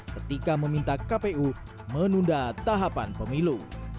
ketika meminta kpu menunda tahapan pemilu